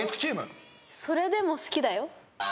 『それでも好きだよ』